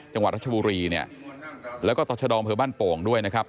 จังหวัดรัชบุรีเนี่ยแล้วก็ต่อชะดองเผลอบ้านโป่งด้วยนะครับ